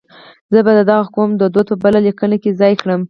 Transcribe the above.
زه به د دغه قوم دود په بله لیکنه کې ځای کړم.